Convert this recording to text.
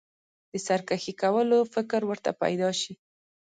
د سرکښي کولو فکر ورته پیدا شي.